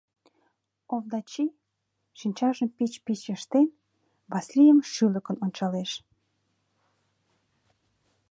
Овдачи, шинчажым пыч-пыч ыштен, Васлийым шӱлыкын ончалеш.